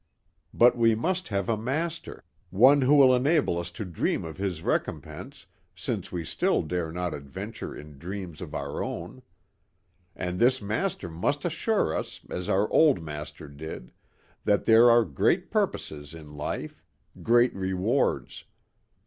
But we must have a master, one who will enable us to dream of His recompense since we still dare not adventure in dreams of our own. And this master must assure us as our old master did that there are great purposes in life, great rewards.